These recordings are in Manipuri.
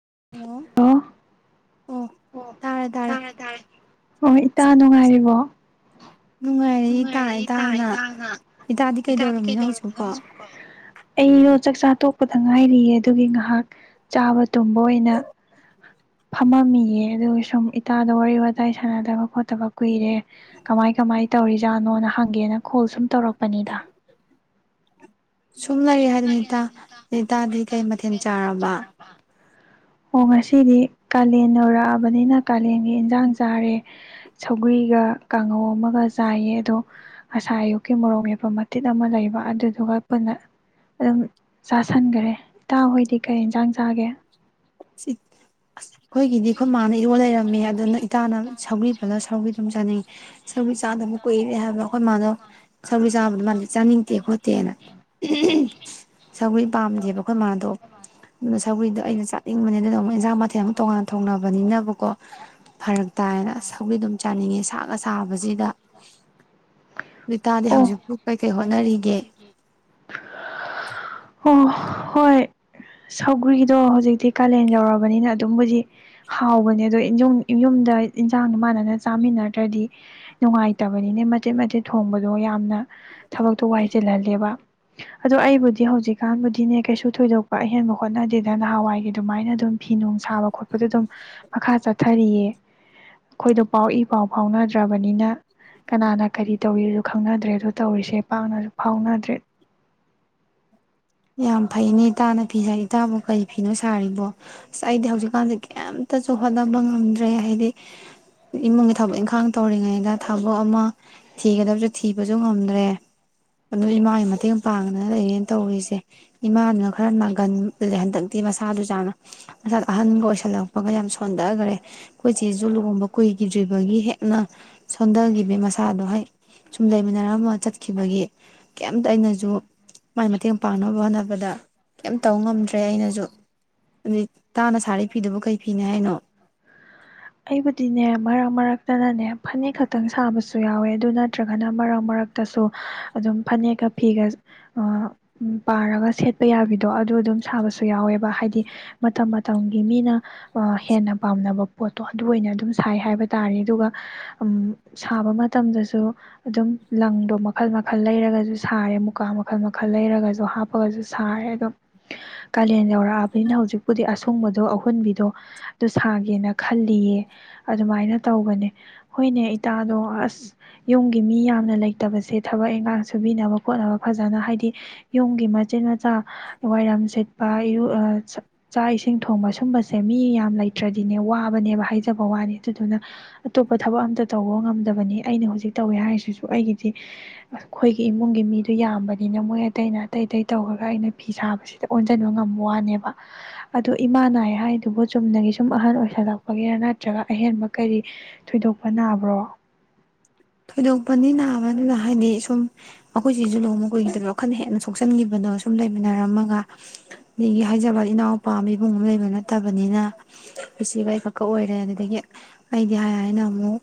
[unintelligible] ꯑꯣ ꯇꯥꯔꯦ ꯇꯥꯔꯦ ꯑꯣ ꯏꯇꯥ ꯅꯨꯡꯉꯥꯏꯔꯤꯕꯣ ꯅꯨꯡꯉꯥꯏꯔꯤꯌꯦ ꯏꯇꯥ ꯏꯇꯥꯅ ꯏꯇꯥꯗꯤ ꯀꯩꯗꯧꯔꯝꯃꯤꯅꯣ ꯍꯧꯖꯤꯛꯄꯣ ꯑꯩꯔꯣ ꯆꯛꯆꯥ ꯇꯣꯛꯄꯗ ꯉꯥꯏꯔꯤꯌꯦ ꯑꯗꯨꯒꯤ ꯉꯥꯍꯥꯛ ꯆꯥꯕ ꯇꯨꯝꯕ ꯑꯣꯏꯅ ꯐꯝꯃꯝꯃꯤꯌꯦ ꯑꯗꯨꯒ ꯁꯨꯝ ꯏꯇꯥꯗ ꯋꯥꯔꯤ ꯋꯥꯇꯥꯏ ꯁꯥꯟꯅꯗꯕ ꯈꯣꯠꯇꯕ ꯀꯨꯏꯔꯦ ꯀꯃꯥꯏ ꯀꯃꯥꯏ ꯇꯧꯔꯤꯖꯥꯠꯅꯣꯅ ꯍꯪꯒꯦꯅ ꯀꯣꯜ ꯁꯨꯝ ꯇꯧꯔꯛꯄꯅꯤꯗ [inaudible] ꯍꯥꯏꯗꯨꯅꯤ ꯏꯇꯥ ꯏꯇꯥꯗꯤ ꯀꯩ ꯃꯊꯦꯜ ꯆꯥꯔꯕ [unintelligible] ꯑꯣ ꯉꯁꯤꯗꯤ ꯀꯥꯂꯦꯟ ꯌꯧꯔꯛꯑꯕꯅꯤꯅ ꯀꯥꯂꯦꯟꯒꯤ ꯏꯟꯁꯥꯡ ꯆꯥꯔꯦ ꯁꯧꯒ꯭ꯔꯤꯒ ꯀꯥꯡꯉꯧ ꯑꯃꯒ ꯆꯥꯏꯌꯦ ꯑꯗꯣ ꯉꯁꯥꯏ ꯑꯌꯨꯛꯀꯤ ꯃꯣꯔꯣꯛ ꯃꯦꯠꯄ ꯃꯇꯤꯠ ꯑꯃ ꯂꯩꯕ ꯑꯗꯨꯗꯨꯒ ꯄꯨꯟꯅ ꯑꯗꯨꯝ ꯆꯥꯁꯟꯈꯔꯦ ꯏꯇꯥ ꯍꯣꯏꯗꯤ ꯀꯔꯤ ꯏꯟꯁꯥꯡ ꯆꯥꯒꯦ [unintelligible] ꯑꯩꯈꯣꯏꯒꯤꯗꯤ ꯑꯩꯈꯣꯏ ꯃꯥꯅ ꯏꯔꯣꯜ ꯂꯩꯔꯝꯃꯦ ꯑꯗꯨꯅ ꯏꯇꯥꯅ ꯁꯧꯒꯔꯤ ꯄꯜꯂꯛꯑꯒꯥ ꯁꯧꯔꯤ ꯗꯨꯝ ꯆꯥꯅꯤꯡꯉꯤ ꯁꯧꯒ꯭ꯔꯤ ꯆꯥꯗꯕ ꯀꯨꯏꯔꯦ ꯍꯥꯏꯕ ꯑꯩꯈꯣꯏ ꯃꯥꯗꯣ ꯁꯧꯒ꯭ꯔꯤ ꯆꯥꯕꯗꯣ ꯃꯥꯗꯤ ꯆꯥꯅꯤꯡꯗꯦ ꯈꯣꯠꯇꯦꯅ ꯁꯧꯒ꯭ꯔꯤ ꯄꯥꯝꯗꯦꯕ ꯑꯩꯈꯣꯏ ꯃꯥꯗꯣ ꯑꯗꯨꯅ ꯁꯧꯒ꯭ꯔꯤꯗꯣ ꯑꯩꯅ ꯏꯪꯕꯅꯤ ꯑꯗꯨꯗꯣ ꯑꯃꯨꯛ ꯏꯟꯁꯥꯡ ꯃꯊꯦꯜ ꯑꯃꯨꯛ ꯇꯣꯉꯥꯟꯅ ꯊꯣꯡꯅꯕꯅꯤꯅꯅꯕꯀꯣ ꯐꯔꯛ ꯇꯥꯔꯦꯅ ꯁꯧꯒꯔꯤ ꯑꯗꯨꯝ ꯆꯥꯅꯤꯡꯉꯦ ꯁꯥꯅ ꯁꯥꯕꯁꯤꯗ ꯏꯇꯥꯗꯤ ꯍꯧꯖꯤꯛꯄꯨ ꯀꯥꯔꯤ ꯀꯥꯔꯤ ꯍꯣꯠꯅꯔꯤꯒꯦ ꯍꯝ ꯍꯣꯏ ꯁꯧꯒ꯭ꯔꯤꯗꯣ ꯍꯧꯖꯤꯛꯇꯤ ꯀꯥꯂꯦꯟ ꯌꯧꯔꯕꯅꯤꯅ ꯑꯗꯨꯝꯕꯨꯗꯤ ꯍꯥꯎꯕꯅꯦ ꯑꯗꯣ ꯏꯃꯨꯡꯗ ꯏꯟꯖꯥꯡꯗꯨ ꯃꯥꯟꯅꯅ ꯆꯥꯃꯤꯟꯅꯗ꯭ꯔꯗꯤ ꯅꯨꯡꯉꯥꯏꯇꯕꯅꯤꯅꯦ ꯃꯆꯦꯠ ꯃꯆꯦꯠ ꯊꯣꯡꯕꯗꯣ ꯌꯥꯝꯅ ꯊꯕꯛꯇꯣ ꯋꯥꯏꯁꯤꯜꯍꯜꯂꯦꯕ ꯑꯗꯣ ꯑꯩꯕꯨꯗꯤ ꯍꯧꯖꯤꯛꯀꯥꯟꯕꯨꯗꯤꯅꯦ ꯀꯩꯁꯨ ꯊꯣꯏꯗꯣꯛꯄ ꯑꯍꯦꯟꯕ ꯍꯣꯠꯅꯗꯦꯗ ꯅꯍꯥꯟꯋꯥꯏꯒꯤ ꯑꯗꯨꯃꯥꯏꯅ ꯑꯗꯨꯝ ꯐꯤ ꯅꯨꯡ ꯁꯥꯕ ꯈꯣꯠꯄꯗ ꯑꯗꯨꯝ ꯃꯈꯥ ꯆꯠꯊꯔꯤꯌꯦ ꯑꯩꯈꯣꯏꯗꯣ ꯄꯥꯎ ꯏ ꯄꯥꯎ ꯐꯥꯎꯅꯗ꯭ꯔꯕꯅꯤꯅ ꯀꯅꯥꯅ ꯀꯔꯤ ꯇꯧꯔꯤꯗꯨ ꯈꯪꯅꯗ꯭ꯔꯦꯗ ꯇꯧꯔꯤꯁꯦ ꯄꯥꯛꯅꯁꯨ ꯐꯥꯎꯅꯗ꯭ꯔꯦ ꯌꯥꯝ ꯐꯩꯅꯦ ꯏꯇꯥꯅ ꯐꯤꯁꯥꯔꯤ ꯏꯇꯥꯕꯨ ꯐꯩ ꯀꯩꯅꯣ ꯁꯥꯔꯤꯕꯣ ꯑꯩꯗꯤ ꯍꯧꯖꯤꯛꯀꯥꯟꯁꯦ ꯀꯩꯝꯇ ꯍꯣꯠꯅꯕ ꯉꯝꯗ꯭ꯔꯦ ꯍꯥꯏꯗꯤ ꯏꯃꯨꯡꯒꯤ ꯊꯕꯛ ꯏꯪꯈꯥꯡ ꯇꯧꯔꯤꯉꯩꯗ ꯊꯕꯛ ꯑꯃ ꯊꯤꯒꯗꯕꯁꯨ ꯊꯤꯕꯁꯨ ꯉꯝꯗ꯭ꯔꯦ ꯏꯃꯥꯒꯤ ꯃꯇꯦꯡ ꯄꯥꯡꯗꯅ ꯂꯩꯔꯦ ꯇꯧꯔꯤꯁꯦ ꯏꯃꯥꯅ ꯈꯔ ꯅꯥꯒꯟ ꯂꯦ ꯍꯟꯗꯛ [unintelligible] ꯃꯁꯥꯗꯨꯖꯥꯅ ꯃꯁꯥ ꯑꯍꯟꯒ ꯑꯣꯏꯁꯜꯂꯛꯄꯒ ꯌꯥꯝ ꯁꯣꯟꯊꯒ꯭ꯔꯦ ꯑꯩꯈꯣꯏꯆꯦ ꯁꯨ ꯂꯨꯍꯣꯡꯕ ꯀꯨꯏꯈꯤꯗ꯭ꯔꯤꯕꯒꯤ ꯍꯦꯛꯅ ꯁꯣꯟꯊꯒꯤꯈꯤꯕ ꯃꯁꯥꯗꯣ ꯍꯦꯛ ꯁꯨꯝ ꯂꯩꯃꯤꯟꯅꯔꯃ ꯆꯠꯈꯤꯕꯒꯤ ꯀꯩꯝꯇ ꯑꯩꯅꯁꯨ ꯃꯥꯏ ꯃꯇꯦꯡ ꯄꯥꯡꯅꯕ ꯍꯣꯠꯅꯕꯗ ꯀꯩꯝ ꯇꯧꯕ ꯉꯝꯗ꯭ꯔꯦ ꯑꯩꯅꯁꯨ ꯑꯗꯨ ꯏꯇꯥꯅ ꯁꯥꯔꯤꯕ ꯐꯤꯗꯨꯕꯨ ꯀꯥꯔꯤ ꯐꯤꯅꯤ ꯍꯥꯏꯅꯣ ꯑꯩꯕꯨꯗꯤꯅꯦ ꯃꯔꯛ ꯃꯔꯛꯇꯅꯅꯦ ꯐꯅꯦꯛ ꯈꯛꯇꯪ ꯁꯥꯕꯁꯨ ꯌꯥꯎꯋꯦ ꯑꯗꯨ ꯅꯠꯇ꯭ꯔꯒꯅ ꯃꯔꯛ ꯃꯔꯛꯇꯁꯨ ꯑꯗꯨꯝ ꯐꯅꯦꯛꯀ ꯐꯤꯒ ꯑꯃ ꯄꯥꯔꯒ ꯁꯦꯠꯄ ꯌꯥꯕꯤꯗꯣ ꯑꯗꯨ ꯑꯗꯨꯝ ꯁꯥꯕꯁꯨ ꯌꯥꯎꯋꯦꯕ ꯍꯥꯏꯗꯤ ꯃꯇꯝ ꯃꯇꯝꯒꯤ ꯃꯤꯅ ꯑ ꯍꯦꯟꯅ ꯄꯥꯝꯅꯕ ꯄꯣꯠꯇꯣ ꯑꯗꯨ ꯑꯣꯏꯅ ꯑꯗꯨꯝ ꯁꯥꯏ ꯍꯥꯏꯕ ꯇꯥꯔꯦ ꯑꯗꯨꯒ ꯁꯥꯕ ꯃꯇꯝꯗꯁꯨ ꯑꯗꯨꯝ ꯂꯪꯗꯣ ꯃꯈꯜ ꯃꯈꯜ ꯂꯩꯔꯒꯁꯨ ꯁꯥꯔꯦ ꯃꯨꯀꯥ ꯃꯈꯜ ꯃꯈꯜ ꯂꯩꯔꯒꯁꯨ ꯍꯥꯞꯄꯒꯁꯨ ꯁꯥꯔꯦ ꯑꯗꯣ ꯀꯥꯂꯦꯟ ꯌꯧꯔꯛꯑꯕꯅꯤꯅ ꯍꯧꯖꯤꯛꯄꯨꯗꯤ ꯑꯁꯨꯡꯕꯗꯣ ꯑꯍꯨꯟꯕꯤꯗꯣ ꯑꯗꯨ ꯁꯥꯒꯦꯅ ꯈꯜꯂꯤꯌꯦ ꯑꯗꯨꯃꯥꯏꯅ ꯇꯧꯕꯅꯦ ꯍꯣꯏꯅꯦ ꯏꯇꯥꯗꯣ ꯑꯁ ꯌꯨꯝꯒꯤ ꯃꯤ ꯌꯥꯝꯅ ꯂꯩꯇꯕꯁꯦ ꯊꯕꯛ ꯏꯟꯈꯥꯡ ꯁꯨꯕꯤꯅꯕ ꯈꯣꯠꯅꯕ ꯐꯖꯅ ꯍꯥꯏꯗꯤ ꯌꯨꯝꯒꯤ ꯃꯆꯤꯠ ꯃꯆꯥ ꯋꯥꯏꯔꯝ ꯁꯤꯠꯄꯥ ꯆꯥꯛ ꯏꯁꯤꯡ ꯊꯣꯡꯕ ꯁꯤꯒꯨꯕꯁꯦ ꯃꯤ ꯌꯥꯝ ꯂꯩꯇ꯭ꯔꯗꯤꯅꯦ ꯋꯥꯕ ꯅꯦꯕ ꯍꯥꯏꯖꯕ ꯋꯥꯅꯤ ꯑꯗꯨꯗꯨꯅ ꯑꯇꯣꯞꯄ ꯊꯕꯛ ꯑꯝꯇ ꯇꯧꯕ ꯉꯝꯗꯕꯅꯤ ꯑꯩꯅ ꯍꯧꯖꯤꯛ ꯇꯧꯏ ꯍꯥꯏꯔꯤꯁꯤꯁꯨ ꯑꯩꯒꯤꯗꯤ ꯑꯩꯈꯣꯏꯒꯤ ꯏꯃꯨꯡꯒꯤ ꯃꯤꯗꯣ ꯌꯥꯝꯕꯅꯤꯅ ꯃꯣꯏ ꯑꯇꯩꯅ ꯑꯇꯩ ꯑꯇꯩ ꯇꯧꯈꯔꯒ ꯑꯩꯅ ꯐꯤ ꯁꯥꯕꯁꯤꯗ ꯑꯣꯟꯁꯤꯟꯕ ꯉꯝꯕ ꯋꯥꯅꯦꯕ ꯑꯗꯨ ꯏꯃꯥ ꯅꯥꯏ ꯍꯥꯏꯗꯨꯕꯨ ꯆꯨꯝꯅꯒꯤ ꯁꯨꯝ ꯑꯍꯟ ꯑꯣꯏꯁꯜꯂꯛ ꯒꯥꯔꯥ ꯅꯠꯇ꯭ꯔꯒ ꯑꯍꯦꯟꯕ ꯀꯔꯤ ꯊꯣꯏꯗꯣꯛꯄ ꯅꯥꯕ꯭ꯔꯣ ꯊꯣꯏꯗꯣꯛꯄꯗꯤ ꯅꯥꯕꯗꯤ ꯍꯥꯏꯗꯤ ꯁꯨꯝ ꯑꯩꯈꯣꯏꯆꯦꯁꯨꯨ ꯂꯨꯍꯣꯡꯕ ꯀꯨꯏꯗ꯭ꯔꯤꯕ ꯋꯥꯈꯜ ꯍꯦꯟꯅ ꯁꯣꯛꯆꯟꯈꯤꯕꯅꯣ ꯁꯨꯝ ꯂꯩꯃꯤꯟꯅꯔꯝꯃꯒ ꯅꯥꯒꯤ ꯍꯥꯏꯖꯕ ꯋꯥꯅꯦ ꯏꯅꯥꯎꯄꯥ ꯏꯕꯨꯡꯒꯨꯝꯕ ꯂꯩꯕ ꯅꯠꯇꯕꯅꯤꯅ ꯏꯆꯦ ꯏꯕꯥꯅꯤ ꯈꯛꯀ ꯑꯣꯏꯔꯦ ꯑꯗꯨꯗꯒꯤ ꯑꯩꯗꯤ ꯍꯥꯏ ꯍꯥꯏꯅ ꯑꯃꯨꯛ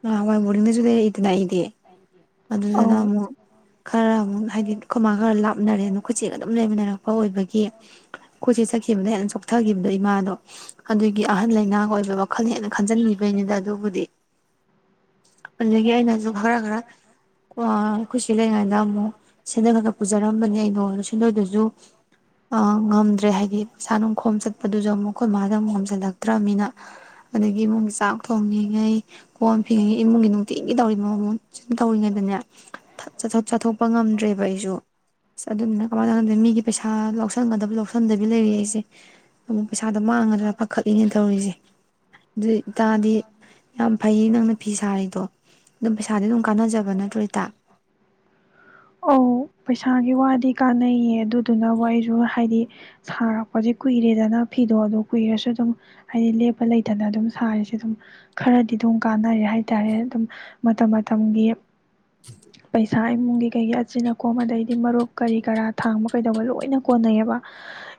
ꯉꯥ ꯥ ꯕꯣꯔꯗꯤꯡꯗꯁꯨ ꯂꯩꯔꯛꯏꯗꯅ ꯑꯩꯗꯤ ꯑꯗꯨꯗꯥꯅ ꯑꯧ ꯑꯃꯨꯛ ꯈꯔ ꯑꯃꯨꯛ ꯍꯥꯏꯗꯤꯅꯦꯀꯣ ꯈꯣꯃꯥ ꯈꯔ ꯂꯥꯞꯅꯔꯦꯅ ꯑꯩꯈꯣꯏ ꯆꯦꯒ ꯑꯗꯨꯝ ꯂꯩꯃꯤꯟꯅꯔꯛꯄ ꯑꯣꯏꯕꯒꯤ ꯑꯩꯈꯣꯏꯆꯦ ꯆꯠꯈꯤꯕꯗ ꯍꯦꯟꯁ ꯀꯣꯛꯊꯈꯤꯕꯗꯣ ꯏꯃꯥꯗꯣ ꯑꯗꯨꯒꯤ ꯑꯍꯟ ꯂꯩꯅꯥꯒ ꯑꯣꯏꯕ ꯋꯥꯈꯜ ꯍꯦꯟꯅ ꯈꯟꯖꯟꯒꯤꯕꯩꯅꯤꯗ ꯑꯗꯨꯕꯨꯗꯤ ꯑꯗꯨꯗꯒꯤ ꯑꯩꯅꯁꯨ ꯈꯔ ꯈꯔ ꯑꯥ ꯑꯩꯈꯣꯏꯆꯦ ꯂꯩꯔꯤꯉꯩꯗ ꯑꯃꯨꯛ ꯁꯦꯟꯗꯣꯅ ꯈꯔꯥ ꯈꯔꯥ ꯄꯨꯖꯔꯝꯕꯅꯦ ꯑꯩꯗꯣ ꯁꯦꯟꯗꯣꯏꯗꯨꯁꯨ ꯑ ꯉꯝꯗ꯭ꯔꯦ ꯍꯥꯏꯗꯤ ꯄꯩꯁꯥ ꯅꯨꯡꯈꯣꯝ ꯆꯠꯄꯗꯨꯁꯨ ꯑꯃꯨꯛ ꯑꯩꯈꯣꯏ ꯃꯥꯥꯗ ꯑꯃꯨꯛ ꯉꯣꯝꯁꯤꯜꯂ ꯆꯠꯇ꯭ꯔꯕꯃꯤꯅ ꯑꯗꯒꯤ ꯏꯃꯨꯡꯒꯤ ꯆꯥꯛ ꯊꯣꯡꯉꯤꯉꯩ ꯀꯣꯟ ꯐꯦꯡꯉꯤꯉꯩ ꯏꯃꯨꯡꯒꯤ ꯅꯨꯡꯇꯤꯒꯤ ꯇꯧꯔꯤꯕ ꯃ ꯃꯝ ꯁꯨꯝ ꯇꯧꯔꯤꯉꯩꯗꯅꯦ ꯆꯠꯊ ꯆꯠꯊꯣꯛꯄ ꯉꯝꯗ꯭ꯔꯦꯕ ꯑꯩꯁꯨ ꯑ ꯑꯗꯨꯅꯤꯅ ꯀꯃꯥꯏꯅ ꯇꯧꯅꯗꯦ ꯃꯤꯒꯤ ꯄꯩꯁꯥ ꯂꯧꯁꯟꯒꯗꯕ ꯂꯧꯁꯟꯗꯕꯤ ꯂꯩꯔꯤ ꯑꯩꯁꯦ ꯑꯃꯨꯛ ꯄꯩꯁꯥꯗ ꯃꯥꯡꯉꯗ꯭ꯔꯥ ꯄꯥꯈꯠ ꯈꯪꯗꯦꯅꯦ ꯇꯧꯔꯤꯁꯦ ꯑꯗꯨ ꯏꯇꯥꯗꯤ ꯌꯥꯝ ꯐꯩꯌꯦ ꯅꯪꯅ ꯐꯤ ꯁꯥꯔꯤꯗꯣ ꯑꯗꯨꯝ ꯄꯩꯁ ꯑꯧ ꯄꯩꯁꯥꯒꯤ ꯋꯥꯗꯤ ꯀꯥꯟꯅꯩꯌꯦ ꯑꯗꯨꯗꯨꯅꯕꯨ ꯑꯩꯁꯨ ꯍꯥꯏꯗꯤ ꯁꯥꯔꯛꯄꯁꯦ ꯀꯨꯏꯔꯦꯗꯅ ꯐꯤꯗꯣ ꯑꯗꯨ ꯀꯨꯏꯔꯁꯨ ꯑꯗꯨꯝ ꯍꯥꯏꯗꯤ ꯂꯦꯞꯄ ꯂꯩꯇꯅ ꯑꯗꯨꯝ ꯁꯥꯔꯤꯁꯦ ꯑꯗꯨꯝ ꯈꯔꯗꯤ ꯑꯗꯨꯝ ꯀꯥꯟꯅꯔꯦ ꯍꯥꯏꯇꯥꯔꯦ ꯑꯗꯨꯝ ꯃꯇꯝ ꯃꯇꯝꯒꯤ ꯄꯩꯁꯥ [inaudible] ꯏꯃꯨꯡꯒꯤ ꯀꯩꯒꯤ ꯑꯆꯤꯟꯅꯀꯣꯝ ꯑꯗꯩꯗꯤ ꯃꯔꯨꯞ ꯀꯔꯤ ꯀꯔꯥ ꯊꯥꯡꯕ ꯀꯩꯗꯧꯕ ꯂꯣꯏꯅ ꯀꯣꯟꯅꯩꯑꯦꯕ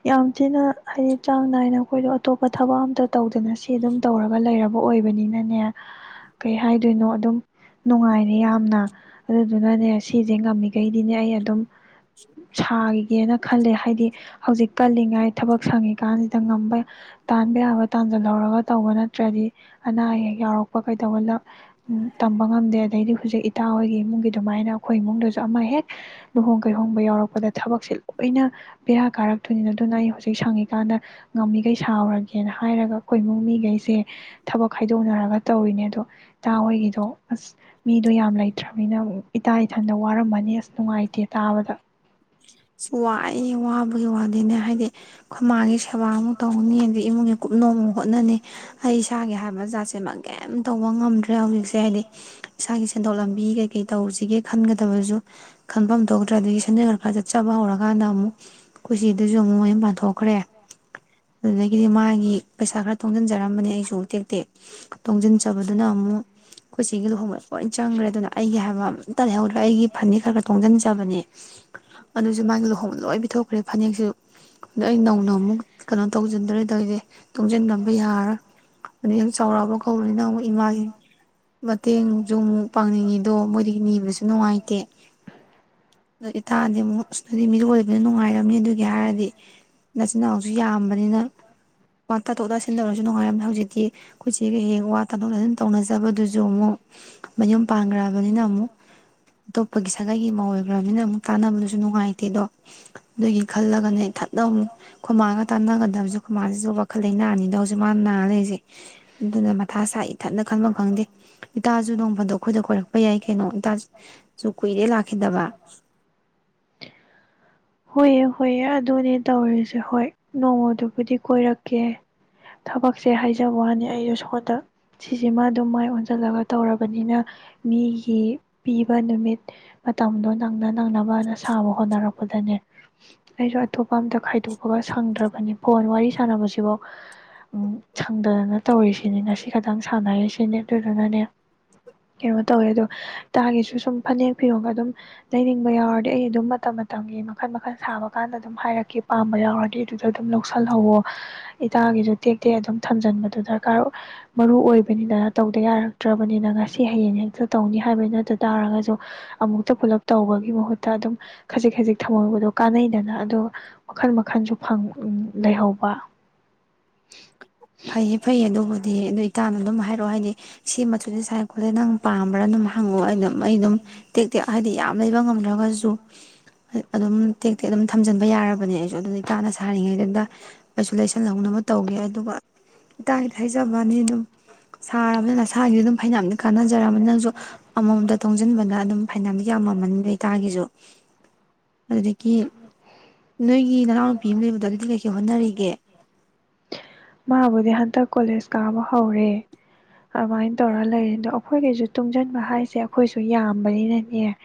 ꯌꯥꯝ ꯊꯤꯅ ꯍꯥꯏꯗꯤ ꯆꯥꯡ ꯅꯥꯏꯅ ꯑꯩꯈꯣꯏꯗꯣ ꯑꯇꯣꯞꯄ ꯊ ꯊꯕꯛ ꯑꯝꯇ ꯇꯧꯗꯅ ꯁꯤ ꯑꯗꯨꯝ ꯇꯧꯔꯒ ꯂꯩꯔꯕ ꯑꯣꯏꯕꯅꯤꯅꯅꯦ ꯀꯩ ꯍꯥꯏꯗꯣꯏꯅꯣ ꯑꯗꯨꯝ ꯅꯨꯡꯉꯥꯏꯔꯦ ꯌꯥꯝꯅ ꯑꯗꯨꯗꯨꯅꯅꯦ ꯁꯤꯁꯦ ꯉꯝꯃꯤꯈꯩꯗꯤꯅꯦ ꯑꯩ ꯑꯗꯨꯝ ꯁꯥꯈꯤꯒꯦꯅ ꯈꯜꯂꯦ ꯍꯥꯏꯗꯤ ꯍꯧꯖꯤꯛ ꯀꯜꯂꯤꯉꯩ ꯊꯕꯛ ꯁꯪꯉꯤꯀꯥꯟꯁꯤꯗ ꯉꯝꯕ ꯇꯥꯟꯕ ꯌꯥꯕ ꯇꯥꯟꯖꯜꯍꯧꯔꯒ ꯇꯧꯕ ꯅꯠꯇ꯭ꯔꯗꯤ ꯑꯅꯥ ꯑꯌꯦꯛ ꯌꯥꯎꯔꯛꯄ ꯀꯩꯗꯧꯕ ꯇꯝꯕ ꯉꯝꯗꯦ ꯑꯗꯩꯗꯤ ꯍꯧꯖꯤꯛ ꯏꯇꯥ ꯍꯣꯏꯒꯤ ꯏꯃꯨꯡꯒꯤ ꯑꯗꯨꯃꯥꯏꯅ ꯑꯩꯈꯣꯏ ꯏꯃꯨꯡꯗꯁꯨ ꯑꯃ ꯍꯦꯛ ꯂꯨꯍꯣꯡ ꯀꯩꯍꯣꯡꯕ ꯌꯥꯎꯔꯛꯄꯗ ꯊꯕꯛꯁꯦ ꯂꯣꯏꯅ ꯕꯦꯔꯥ ꯀꯥꯔꯛꯇꯣꯏꯅꯤꯅ ꯑꯗꯨꯅ ꯑꯩ ꯍꯧꯖꯤꯛ ꯁꯪꯉꯤꯀꯥꯟꯗ ꯉꯝꯃꯤꯈꯩ ꯁꯥꯎꯔꯒ ꯒꯦꯅ ꯍꯥꯏꯔꯒ ꯑꯩꯈꯣꯏ ꯏꯃꯨꯡ ꯃꯤꯈꯩꯁꯦ ꯊꯕꯛ ꯈꯥꯏꯗꯣꯛꯅꯔꯒ ꯇꯧꯔꯤꯅꯦ ꯑꯗꯣ ꯏꯇꯥ ꯍꯣꯏꯒꯤꯗꯣ ꯑꯁ ꯃꯤꯗꯣ ꯌꯥꯝ ꯂꯩꯇ꯭ꯔꯕꯅꯤꯅ ꯏꯇꯥ ꯏꯊꯟꯗ ꯋꯥꯔꯝꯃꯅꯤ ꯑꯁ ꯅꯨꯡꯉꯥꯏꯇꯦ ꯇꯥꯕꯗ ꯋꯥꯏꯌꯦ ꯋꯥꯕꯒꯤ ꯋꯥꯗꯤ ꯅꯦ ꯍꯥꯏꯗꯤ ꯑꯩꯈꯣꯏꯃꯥꯒꯤ ꯁꯦꯕꯥꯃꯨꯛ ꯇꯧꯅꯤ ꯑꯗꯩ ꯏꯃꯨꯡꯒꯤ ꯀꯨꯞꯅꯨꯡ ꯑꯃꯨꯛ ꯍꯣꯠꯅꯅꯤ ꯑꯩ ꯏꯁꯥꯒꯤ ꯍꯥꯏꯕ ꯖꯥꯇꯁꯦ ꯀꯔꯤꯑꯝ ꯇꯧꯕ ꯉꯝꯗ꯭ꯔꯦ ꯍꯧꯖꯤꯛꯁꯤ ꯀꯩ ꯍꯥꯏꯅꯤ ꯏꯁꯥꯒꯤꯁꯦ ꯁꯦꯟꯊꯣꯛ ꯂꯝꯕꯤ ꯀꯩꯀꯩ ꯇꯧꯁꯤꯒꯦ ꯈꯟꯒꯗꯕꯁꯨ ꯈꯟꯟꯐꯝ ꯊꯣꯛꯗ꯭ꯔꯥꯗꯒꯤ ꯁꯟꯦꯟ ꯈꯔ ꯐꯦ ꯍꯧꯔꯀꯥꯟꯗ ꯑꯃꯨꯛ ꯀꯨꯁꯤꯗꯨꯁꯨ ꯑꯃꯨꯛ ꯃꯌꯨꯝ ꯄꯥꯟꯊꯣꯛꯈ꯭ꯔꯦ ꯑꯗꯨꯗꯒꯤ ꯒꯤꯗꯤ ꯃꯥꯒꯤ ꯄꯩꯁꯥ ꯈꯔ ꯇꯣꯡꯁꯤꯟꯖꯔꯝꯕꯅꯦ ꯑꯩꯁꯨ ꯇꯦꯛꯇꯦꯛ ꯇꯣꯡꯁꯤꯟꯖꯕꯗꯨꯅ ꯑꯃꯨꯛ ꯑꯩꯈꯣꯏ ꯁꯤꯒꯤ ꯂꯨꯍꯣꯡꯕꯗ ꯂꯣꯏ ꯆꯪꯈ꯭ꯔꯦ ꯑꯗꯨꯅ ꯑꯩꯒꯤ ꯍꯥꯏꯕ ꯑꯝꯇ ꯂꯩꯍꯧꯗ꯭ꯔꯦ ꯑꯩꯒꯤ ꯐꯅꯤꯦꯛ ꯈꯔ ꯈꯔ ꯇꯣꯡꯁꯤꯟꯖꯕꯅꯦ ꯃꯥꯒꯤ ꯂꯨꯍꯣꯡꯕꯗ ꯂꯣꯏ ꯄꯤꯊꯣꯛꯈ꯭ꯔꯦ ꯐꯅꯦꯛꯁꯨ ꯑꯗꯣ ꯑꯩ ꯅꯧꯅ ꯑꯃꯨꯛ ꯀꯩꯅꯣ ꯇꯧꯁꯤꯟꯗꯔꯦ ꯇꯧꯁꯦ ꯇꯨꯡꯁꯤꯟꯂꯝꯕ ꯌꯥꯔꯔꯣꯏ ꯑꯗꯩ ꯌꯥꯝ ꯆꯥꯎꯔꯛꯑꯕ ꯀꯧꯕꯅꯤꯅ ꯑꯃꯨꯛ ꯏꯃꯥꯒꯤ ꯃꯇꯦꯡꯁꯨ ꯑꯃꯨꯛ ꯄꯥꯡꯅꯤꯡꯉꯤꯗꯣ ꯃꯣꯏꯗꯒꯤ ꯅꯤꯕꯁꯨ ꯅꯨꯡꯉꯥꯏꯇꯦ ꯑꯗꯣ ꯏꯇꯥꯗꯤ ꯑꯃꯨꯛ ꯑꯁ ꯃꯤꯔꯣꯟ ꯂꯩꯕꯅꯤꯅ ꯅꯨꯡꯉꯥꯏꯔꯝꯅꯤ ꯑꯗꯨꯒꯤ ꯍꯥꯏꯔꯗꯤ ꯅꯆꯤꯟꯅꯥꯎꯁꯨ ꯌꯥꯝꯕꯅꯤꯅ ꯋꯥ ꯇꯥꯊꯣꯛ ꯇꯥ ꯁꯤꯟꯅꯔꯁꯨꯅꯨꯡꯉꯥꯏꯔꯝꯃꯦ ꯍꯧꯖꯤꯛ [unintelligible] ꯑꯩꯈꯣꯏ ꯀꯩ ꯍꯦꯛ ꯋꯥ ꯇꯥꯊꯣꯛ ꯇꯥꯁꯤꯟ ꯇꯧꯅꯖꯕꯗꯨꯁꯨ ꯑꯃꯨꯛ ꯃꯌꯨꯝ ꯄꯥꯟꯈ꯭ꯔꯕꯅꯤꯅ ꯑꯃꯨꯛ ꯑꯇꯣꯞꯄꯒꯤ ꯁꯥꯒꯩꯒꯤ ꯃꯧ [unintelligible] ꯑꯣꯏꯒ꯭ꯔꯃꯤꯅ ꯑꯃꯨꯛ ꯇꯥꯟꯅꯕꯗꯨꯁꯨ ꯅꯨꯡꯉꯥꯏꯇꯦꯗꯣ ꯑꯗꯨꯒꯤ ꯈꯜꯂꯒꯅꯦ ꯏꯊꯟꯇ ꯑꯃꯨꯛ ꯈꯣꯏꯃꯥꯒ ꯇꯥꯟꯅꯒꯗꯕꯁꯨꯦ ꯈꯨꯃꯥꯁꯤꯁꯨ ꯋꯥꯈꯜ ꯂꯩ ꯅꯥꯔꯅꯤꯗ ꯍꯧꯖꯤꯛ ꯃꯥꯅ ꯅꯥꯔ ꯂꯩꯔꯤꯁꯦ ꯑꯗꯨꯅ ꯃꯊꯥ ꯁꯥꯏꯏ ꯊꯠꯅ ꯈꯟꯐꯝ ꯈꯪꯗꯦ ꯏꯇꯥꯁꯨꯨ ꯅꯣꯡꯐꯗꯣꯛ ꯑꯩꯈꯣꯏꯗ ꯀꯣꯏꯔꯛꯄ ꯌꯥꯏ ꯀꯩꯅꯣ ꯏꯇꯥꯁꯨ ꯀꯨꯏꯔꯦ ꯂꯥꯛꯈꯤꯗꯕ ꯍꯣꯏ ꯍꯣꯏ ꯑꯗꯨꯅꯦ ꯇꯧꯔꯤꯁꯦ ꯍꯣꯏ ꯅꯣꯡꯃꯗꯨꯕꯨꯗꯤ ꯀꯣꯏꯔꯛꯀꯦ ꯊꯕꯛꯁꯦ ꯍꯥꯏꯖꯕ ꯋꯥꯅꯤ ꯑꯩꯁꯨ ꯁꯣꯗ ꯁꯤꯁꯤꯃ ꯑꯗꯨꯝ ꯃꯥꯏ ꯑꯣꯟꯁꯤꯜꯂꯒ ꯇꯧꯔꯕꯅꯤꯅ ꯃꯤꯒꯤ ꯄꯤꯕ ꯅꯨꯃꯤꯠ ꯃꯇꯝꯗꯣ ꯅꯪꯅ ꯅꯪꯅꯕꯅ ꯁꯥꯕ ꯍꯣꯠꯅꯔꯛꯄꯗꯅꯦ ꯑꯩꯁꯨ ꯑꯇꯣꯞꯄ ꯑꯝꯇ ꯈꯥꯏꯗꯣꯛꯄꯒ ꯁꯪꯗ꯭ꯔꯕꯅꯤ ꯐꯣꯟ ꯋꯥꯔꯤ ꯁꯥꯟꯅꯕꯁꯤꯐꯥꯎ ꯎꯝ ꯁꯪꯗꯗꯅ ꯇꯧꯔꯤꯁꯤꯅꯦ ꯉꯁꯤ ꯈꯇꯪ ꯁꯥꯟꯅꯔꯤꯁꯤꯅꯦ ꯑꯗꯨꯗꯨꯅꯅꯦ ꯀꯩꯅꯣ ꯇꯧꯋꯦ ꯑꯗꯣ ꯏꯇꯥꯒꯤꯁꯨ ꯁꯨꯝ ꯐꯅꯦꯛ ꯐꯤꯔꯣ ꯑꯗꯨꯝ ꯂꯩꯅꯤꯡꯕ ꯌꯥꯎꯔꯗꯤ ꯑꯩ ꯑꯗꯨꯝ ꯃꯇꯝ ꯃꯇꯝꯒꯤ ꯃꯈꯜ ꯃꯈꯜ ꯁꯥꯕ ꯀꯥꯟꯗ ꯑꯗꯨꯝ ꯍꯥꯏꯔꯛꯀꯦ ꯄꯥꯝꯕ ꯌꯥꯎꯔꯗꯤ ꯑꯗꯨꯗ ꯑꯗꯨꯝ ꯂꯧꯁꯤꯜꯍꯧꯋꯣ ꯏꯇꯥꯒꯤꯁꯨ ꯇꯦꯛ ꯇꯦꯛ ꯑꯗꯨꯝ ꯊꯝꯖꯟꯕꯗꯨ ꯗꯔꯀꯥꯔ ꯃꯔꯨ ꯑꯣꯏꯕꯅꯤꯗꯅ ꯇꯧꯗ ꯌꯥꯔꯛꯇ꯭ꯔꯕꯅꯤꯅ ꯉꯁꯤ ꯍꯌꯦꯡ ꯍꯦꯛꯇ ꯇꯧꯅꯤ ꯍꯥꯏꯕ ꯅꯠꯇ ꯇꯥꯔꯒꯁꯨ ꯑꯃꯨꯛꯇ ꯄꯨꯂꯞ ꯇꯧꯕꯒꯤ ꯃꯍꯨꯠꯇ ꯑꯗꯨꯝ ꯈꯖꯤꯛ ꯈꯖꯤꯛ ꯊꯝꯍꯧꯕꯗꯣ ꯀꯥꯟꯅꯩꯗꯅ ꯑꯗꯨꯒ ꯃꯈꯜ ꯃꯈꯜꯁꯨ [unintelligible] ꯂꯩꯍꯧꯕ ꯐꯩꯌꯦ ꯐꯩꯌꯦ ꯑꯗꯨꯕꯨꯗꯤ ꯑꯗꯨ ꯏꯇꯥꯅ ꯑꯗꯨꯝ ꯍꯥꯏꯔꯛꯑꯣ ꯍꯥꯏꯗꯤ ꯁꯤ ꯃꯆꯨꯁꯦ ꯁꯥꯏ ꯈꯣꯠꯂꯦ ꯅꯪ ꯄꯥꯝꯕ꯭ꯔꯥ ꯑꯗꯨꯝ ꯍꯪꯉꯛꯑꯣ ꯑꯩ ꯑꯗꯨꯝ ꯑꯩ ꯑꯗꯨꯝ ꯇꯦꯛ ꯇꯦꯛ ꯍꯥꯏꯗꯤ ꯌꯥꯝ ꯂꯩꯕ ꯉꯝꯗ꯭ꯔꯒꯁꯨ ꯑꯗꯨꯝ ꯇꯦ ꯇꯦꯛ ꯑꯗꯨꯝ ꯊꯝꯖꯤꯟꯕ ꯌꯥꯔꯕꯅꯤ ꯑꯩꯁꯨ ꯑꯗꯨꯝ ꯏꯇꯥꯅ ꯁꯥꯔꯤꯉꯩꯗꯨꯗ ꯂꯥꯏꯁꯨ ꯂꯩ ꯍꯧꯅꯕ ꯇꯧꯒꯦ ꯑꯗꯨꯒ [unintelligible] ꯍꯥꯏꯖꯕ ꯋꯥꯅꯤ ꯑꯗꯨꯝ ꯁꯥꯔꯕꯅꯤꯅ ꯅ ꯁꯥꯥꯒꯤꯁꯨ ꯑꯗꯨꯝ ꯐꯩꯅꯝꯅ ꯀꯥꯟꯅꯖꯔꯅꯤ ꯅꯅꯪꯁꯨ ꯑꯃꯃꯝꯇ ꯇꯣꯡꯁꯤꯟꯕꯅ ꯑꯗꯨꯝ ꯐꯥꯏꯅꯝꯗꯤ ꯌꯥꯝꯃꯝꯃꯅꯤ ꯑꯗꯨꯇꯥꯔꯒꯁꯨ ꯑꯗꯨꯗꯒꯤ ꯅꯣꯏꯒꯤ ꯅꯅꯥꯎꯅꯨꯄꯤ ꯑꯃ ꯂꯩꯕꯗꯣ ꯑꯗꯨꯗꯤ ꯀꯩꯀꯩ ꯍꯣꯠꯅꯔꯤꯒꯦ ꯃꯥꯕꯨꯗꯤ ꯍꯟꯗꯛ ꯀꯣꯂꯦꯁ ꯀꯥꯕ ꯍꯧꯔꯦ ꯑꯗꯨꯃꯥꯏꯅ ꯇꯧꯔ ꯂꯩꯔꯦ ꯑꯗꯣ ꯑꯩꯈꯣꯏꯒꯤꯁꯨ ꯇꯨꯡꯁꯤꯟꯕ ꯍꯥꯏꯁꯦ ꯑꯩꯈꯣꯏꯁꯨ ꯌꯥꯝꯕꯅꯤꯅꯅꯦ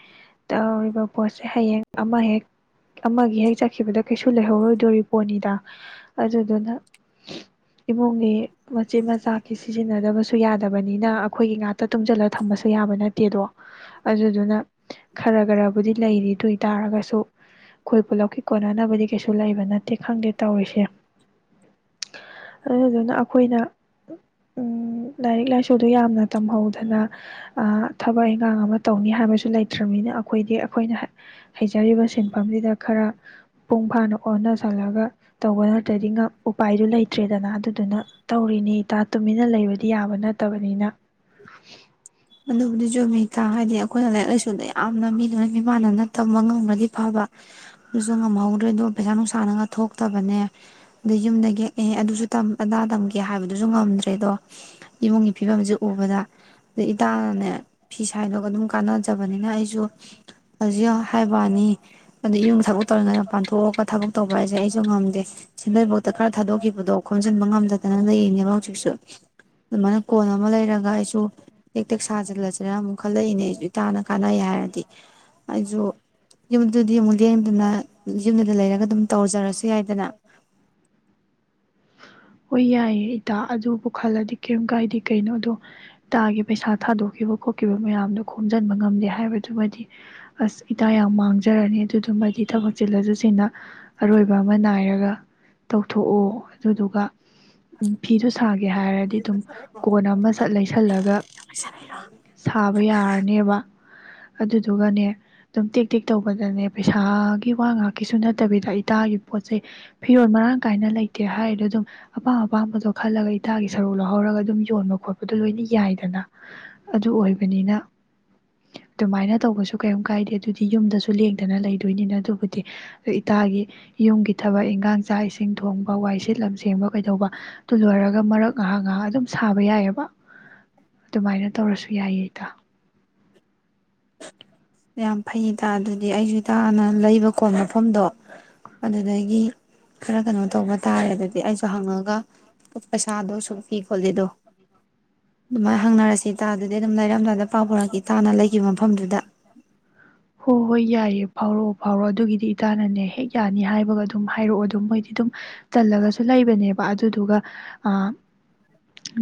ꯇꯧꯔꯤꯕ ꯄꯣꯠꯁꯦ ꯍꯌꯦꯡ ꯑꯃ ꯍꯦꯛ ꯑꯃꯒꯤ ꯍꯦꯛ ꯆꯠꯈꯤꯕꯗ ꯀꯩꯁꯨ ꯂꯩꯍꯧꯔꯨꯗꯣꯔꯤ ꯄꯣꯠꯅꯤꯗ ꯑꯗꯨꯗꯨꯅ ꯏꯃꯨꯡꯒꯤ ꯃꯆꯝꯠ ꯃꯆꯥꯛꯀꯤ ꯁꯤꯖꯤꯟꯅꯗꯕꯁꯨ ꯌꯥꯗꯕꯅꯤꯅ ꯑꯩꯈꯣꯏꯒꯤ ꯉꯇ ꯇꯨꯡꯁꯤꯜꯂꯒ ꯊꯝꯕꯁꯨ ꯌꯥꯕ ꯅꯠꯇꯦꯗꯣ ꯑꯗꯨꯗꯨꯅ ꯈꯔ ꯈꯔꯕꯨꯗꯤ ꯂꯩꯔꯤꯗꯨ ꯑꯣꯏ ꯇꯥꯔꯒꯁꯨ ꯑꯩꯈꯣꯏ ꯄꯨꯂꯞꯀꯤ ꯀꯣꯟꯅꯅꯕꯗꯤ ꯀꯩꯁꯨ ꯂꯩꯕ ꯅꯠꯇꯦ ꯈꯪꯗꯦ ꯇꯧꯔꯤꯁꯦ ꯑꯗꯨꯗꯨꯅ ꯑꯩꯈꯣꯏꯅ ꯂꯥꯏꯔꯤꯛ ꯂꯥꯏꯁꯨꯗꯣ ꯌꯥꯝꯅ ꯇꯝꯍꯧꯗꯅ ꯊꯕꯛ ꯏꯟꯈꯥꯡ ꯑꯃ ꯇꯧꯅꯤ ꯍꯥꯏꯕꯁꯨ ꯂꯩꯇ꯭ꯔꯕꯅꯤꯅ ꯑꯩꯈꯣꯏꯗꯤ ꯑꯩꯈꯣꯏꯅ ꯍꯩꯖꯔꯤꯕ ꯁꯤꯟꯐꯝꯁꯤꯗ ꯈꯔ ꯃꯄꯨꯡ ꯐꯥꯅ ꯑꯣꯟꯅꯁꯜꯂꯒ ꯇꯧꯕ ꯅꯠꯇ꯭ꯔꯗꯤ ꯉ ꯎꯄꯥꯏꯗꯨ ꯂꯩꯇ꯭ꯔꯦꯗꯅ ꯑꯗꯨꯗꯨꯅ ꯇꯧꯔꯤꯅꯤ ꯏꯇꯥ ꯇꯨꯃꯤꯟꯅ ꯂꯩꯕꯗꯤ ꯌꯥꯕ ꯅꯠꯇꯕꯅꯤꯅ ꯑꯗꯨꯕꯨꯗꯤ ꯆꯨꯝꯃꯤ ꯏꯇꯥ ꯍꯥꯏꯗꯤ ꯑꯩꯈꯣꯏꯅ ꯂꯥꯏꯔꯤꯛ ꯂꯥꯏꯁꯨꯗ ꯌꯥꯝꯅ ꯃꯤ ꯂꯣꯏꯅ ꯃꯤꯃꯥꯟꯅꯅ ꯇꯝꯕ ꯉꯝꯒ꯭ꯔꯗꯤ ꯐꯕ ꯑꯗꯨꯁꯨ ꯉꯝꯍꯧꯗ꯭ꯔꯦꯗꯣ ꯄꯩꯁꯥ ꯅꯨꯡꯁꯥꯅꯉ ꯊꯣꯛꯇꯕꯅꯦ ꯑꯗ ꯌꯨꯝꯗ ꯌꯦꯛꯑ ꯑꯗꯨꯁꯨ ꯑꯗꯥ ꯇꯝꯒꯦ ꯍꯥꯏꯕꯗꯨꯁꯨ ꯉꯝꯗ꯭ꯔꯦ ꯑꯗꯣ ꯏꯃꯨꯡꯒꯤ ꯐꯤꯕꯝꯁꯦ ꯎꯕꯗ ꯑꯗꯩ ꯏꯇꯥꯅꯅꯦ ꯐꯤ ꯁꯥꯏꯗꯣꯒ ꯑꯗꯨꯝ ꯀꯥꯟꯅꯖꯕꯅꯤꯅ ꯑꯩꯁꯨ ꯍꯧꯖꯤꯛ ꯍꯥꯏꯕꯋꯥꯅꯤ ꯑꯗꯨ ꯌꯨꯝ ꯊꯕꯛ ꯇꯧꯔꯤꯉ ꯄꯥꯟꯊꯣꯛꯑꯒ ꯊꯕꯛ ꯇꯧꯕ ꯍꯥꯏꯁꯦ ꯑꯩꯁꯨ ꯉꯝꯗꯦ ꯁꯤꯟꯗꯩꯐꯥꯎꯇ ꯈꯔ ꯊꯥꯗꯣꯛꯈꯤꯕꯗꯣ ꯈꯣꯝꯖꯤꯟꯕ ꯉꯝꯗ ꯑꯗꯨꯅ ꯂꯩꯔꯤꯅꯦꯕ ꯍꯧꯖꯤꯛꯁꯨ ꯑꯗꯨꯃꯥꯏꯅ ꯀꯣꯟ ꯑꯃ ꯂꯩꯔꯒ ꯑꯩꯁꯨ ꯇꯦꯛꯇꯦꯛ ꯁꯥꯖꯤꯜꯂꯁꯤꯅ ꯑꯃꯨꯛ ꯈꯜꯂꯛꯏꯅꯦ ꯑꯩꯁꯨ ꯏꯇꯥꯅ ꯀꯥꯟꯅꯩ ꯍꯥꯏꯔꯗꯤ ꯑꯩꯁꯨ ꯌꯨꯝꯗꯗꯤ ꯑꯃꯨꯛ ꯂꯦꯡꯗꯅ ꯌꯨꯝꯗꯨꯗ ꯂꯩꯔꯒ ꯑꯗꯨꯝ ꯇꯧꯖꯔꯁꯨ ꯌꯥꯏꯗꯅ ꯍꯣꯏ ꯌꯥꯏꯌꯦ ꯏꯇꯥ ꯑꯗꯨꯕꯨ ꯈꯜꯂꯗꯤ ꯀꯔꯤꯝ ꯀꯥꯏꯗꯦ ꯀꯩꯅꯣ ꯑꯗꯣ ꯏꯇꯥꯒꯤ ꯄꯩꯁꯥ ꯊꯥꯗꯣꯛꯈꯤꯕ ꯈꯣꯠꯈꯤꯕ ꯃꯌꯥꯝꯗꯣ ꯈꯣꯝꯖꯤꯟꯕ ꯉꯝꯗꯦ ꯍꯥꯏꯕꯗꯨꯃꯗꯤ ꯑꯁ ꯏꯇꯥ ꯌꯥꯝ ꯃꯥꯡꯖꯔꯅꯤ ꯑꯗꯨꯗꯨꯃꯗꯤ ꯊꯕꯛ ꯆꯤꯜꯂꯖꯁꯤꯅ ꯑꯔꯣꯏꯕ ꯑꯃ ꯅꯥꯏꯔꯒ ꯇꯧꯊꯣꯛꯑꯣ ꯑꯗꯨꯗꯨꯒ ꯎꯝ ꯐꯤꯗꯨ ꯁꯥꯒꯦ ꯍꯥꯏꯔꯒ ꯏꯇꯨꯝ ꯀꯣꯟ ꯑꯃꯁ ꯁꯠ ꯂꯩꯁꯜꯂꯒ ꯆꯔ ꯇ [unintelligible] ꯌꯥꯔꯅꯦꯕ ꯑꯗꯨꯗꯨꯒꯅꯦ ꯑꯗꯨꯝ ꯇꯦꯛ ꯇꯦꯛ ꯇꯧꯕꯗꯅꯦ ꯄꯩꯁꯥꯒꯤ ꯋꯥ ꯉꯥꯛꯀꯤꯁꯨ ꯅꯠꯇꯕꯤꯗ ꯏꯇꯥꯒꯤ ꯄꯣꯠ ꯆꯩꯩ ꯐꯤꯔꯣꯜ ꯃꯔꯥꯡ ꯀꯥꯏꯅ ꯂꯩꯇꯦ ꯍꯥꯏꯔꯤꯗꯣ ꯑꯗꯨꯝ ꯑꯄꯥꯝ ꯑꯄꯥꯝꯕꯗꯣ ꯈꯜꯂꯒ ꯏꯇꯥꯒꯤ ꯁꯔꯨꯛ ꯂꯧꯍꯧꯔꯒ ꯑꯗꯨꯝ ꯌꯣꯟꯕ ꯈꯣꯠꯄꯗꯣ ꯂꯣꯏꯅ ꯌꯥꯏꯗꯅ ꯑꯗꯨ ꯑꯣꯏꯕꯅꯤꯅ ꯑꯗꯨꯃꯥꯏꯅ ꯇꯧꯕꯁꯨ ꯀꯩꯝ ꯀꯥꯏꯗꯦ ꯑꯗꯨꯗꯤ ꯌꯨꯝꯗꯁꯨ ꯂꯦꯡꯗꯅ ꯂꯩꯗꯣꯏꯅꯤꯅ ꯑꯗꯨꯕꯨꯗꯤ ꯏꯇꯥꯒꯤ ꯌꯨꯝꯒꯤ ꯊꯕꯛ ꯏꯟꯈꯥꯡ ꯆꯥꯛ ꯏꯁꯤꯡ ꯊꯣꯡꯕ ꯋꯥꯏ ꯁꯦꯠꯂꯝ ꯁꯦꯡꯕ ꯀꯩꯗꯧꯕ ꯑꯗꯨ ꯂꯣꯏꯔꯒ ꯃꯔꯛ ꯉꯥꯏꯍꯥꯛ ꯉꯥꯏꯍꯥꯛ ꯑꯗꯨꯝ ꯁꯥꯕ ꯌꯥꯏꯑꯕ ꯑꯗꯨꯃꯥꯏꯅ ꯇꯧꯔꯁꯨ ꯌꯥꯏꯌꯦ ꯏꯇꯥ ꯌꯥꯝ ꯐꯩ ꯏꯇꯥ ꯑꯗꯨꯗꯤ ꯑꯩꯁꯨ ꯏꯇꯥꯅ ꯂꯩꯕ ꯀꯣꯟ ꯃꯐꯝꯗꯣ ꯑꯗꯨꯗꯒꯤ ꯈꯔ ꯀꯩꯅꯣ ꯇꯧꯕ ꯇꯥꯔꯦ ꯑꯗꯨꯗꯤ ꯑꯩ ꯍꯪꯉꯒ ꯄꯩꯁꯥꯗꯣ ꯁꯨ ꯄꯤ ꯈꯣꯠꯂꯤ ꯑꯗꯣ ꯑꯗꯨꯃꯥꯏꯅ ꯍꯪꯅꯔꯁꯤ ꯏꯇꯥꯗꯗꯤ ꯑꯗꯨꯝ ꯂꯩꯔꯝꯗꯥꯏꯗ ꯄꯥꯎ ꯐꯥꯎꯔꯛꯀꯦ ꯏꯇꯥꯅ ꯂꯩꯈꯤꯕ ꯃꯐꯝꯗꯨꯗ ꯍꯣꯏ ꯍꯣꯏ ꯌꯥꯏꯑ ꯐꯥꯎꯔꯛꯑꯣ ꯐꯥꯎꯔꯛꯑꯣ ꯑꯗꯨꯒꯤꯗꯤ ꯏꯇꯥꯅꯅꯦ ꯍꯦꯛ ꯌꯥꯅꯤ ꯍꯥꯏꯕꯒ ꯑꯗꯨꯝ ꯍꯥꯏꯔꯛꯑꯣ ꯑꯗꯨꯝ ꯃꯣꯏꯗꯤ ꯑꯗꯨꯝ ꯇꯜꯂꯒꯁꯨ ꯂꯩꯕꯅꯦꯕ ꯑꯗꯨꯗꯨꯒ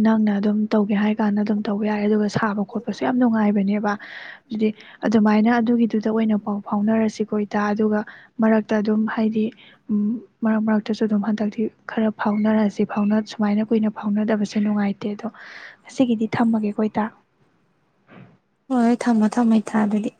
ꯅꯪꯅ ꯑꯗꯨꯝ ꯇꯧꯒꯦ ꯍꯥꯏ ꯀꯥꯟꯗ ꯑꯗꯨꯝ ꯇꯧꯕ ꯌꯥꯔꯦ ꯑꯗꯨꯒ ꯁꯥꯕ ꯈꯣꯠꯄꯁꯦ ꯌꯥꯝ ꯅꯨꯡꯉꯥꯏꯕꯅꯦꯕ ꯑꯗꯨꯗꯤ ꯑꯗꯨꯃꯥꯏꯅ ꯑꯗꯨꯒꯤꯗꯨꯗ ꯑꯣꯏꯅ ꯄꯥꯎ ꯐꯥꯎꯅꯔꯁꯤ ꯀꯣ ꯏꯇꯥ ꯑꯗꯨꯒ ꯃꯔꯛꯇ ꯑꯗꯨꯝ ꯍꯥꯏꯗꯤ ꯃꯔꯛ ꯃꯔꯛꯇꯁꯨ ꯑꯗꯨꯝ ꯍꯟꯗꯛꯇꯤ ꯈꯔ ꯐꯥꯎꯅꯔꯛꯁꯤ ꯐꯥꯎ ꯁꯨꯃꯥꯏꯅ ꯀꯨꯏꯅ ꯐꯥꯎꯅꯗꯕꯁꯦ ꯅꯨꯡꯉꯥꯏꯇꯦ ꯑꯗꯣ ꯉꯒꯤꯗꯤ ꯊꯝꯃꯒꯦ ꯀꯣꯏꯇꯥ ꯍꯣꯏ ꯍꯣꯏ ꯊꯝꯃꯣ ꯊꯝꯃꯣ ꯏꯇꯥ ꯑꯗꯨꯗꯤ